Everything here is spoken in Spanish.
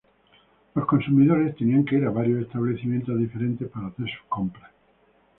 Los consumidores tenían que ir a varios establecimientos diferentes para hacer sus compras.